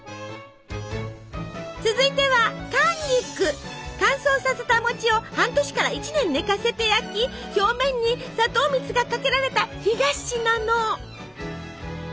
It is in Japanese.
続いては乾燥させた餅を半年から１年寝かせて焼き表面に砂糖蜜がかけられた干菓子なの。